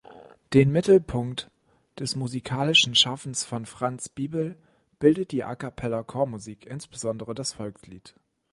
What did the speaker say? Den Mittelpunkt des musikalischen Schaffens von Franz Biebl bildet die A-cappella-Chormusik, insbesondere das Volkslied.